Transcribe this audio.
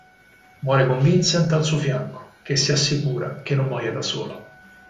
Muore con Vincent al suo fianco che si assicura che non muoia da solo.